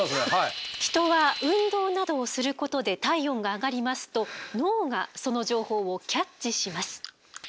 人は運動などをすることで体温が上がりますと脳がその情報をキャッチします。